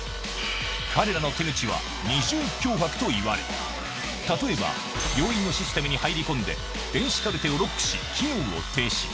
彼らの手口は二重脅迫といわれ、例えば、病院のシステムに入り込んで、電子カルテをロックし、機能を停止。